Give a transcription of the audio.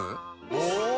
お！